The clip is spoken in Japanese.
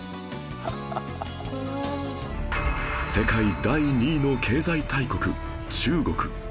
世界第２位の経済大国中国